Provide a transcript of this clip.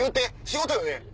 仕事よね？